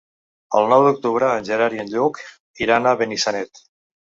El nou d'octubre en Gerard i en Lluc iran a Benissanet.